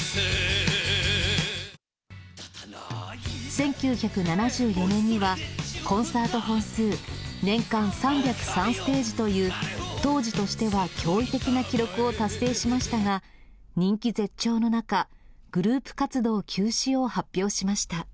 １９７４年には、コンサート本数、年間３０３ステージという、当時としては驚異的な記録を達成しましたが、人気絶頂の中、グループ活動休止を発表しました。